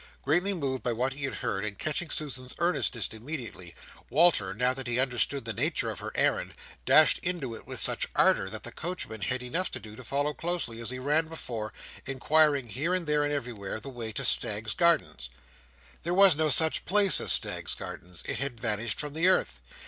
Greatly moved by what he heard, and catching Susan's earnestness immediately, Walter, now that he understood the nature of her errand, dashed into it with such ardour that the coachman had enough to do to follow closely as he ran before, inquiring here and there and everywhere, the way to Staggs's Gardens. There was no such place as Staggs's Gardens. It had vanished from the earth.